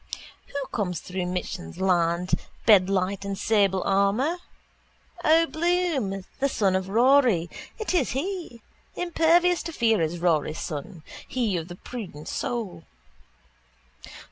Who comes through Michan's land, bedight in sable armour? O'Bloom, the son of Rory: it is he. Impervious to fear is Rory's son: he of the prudent soul.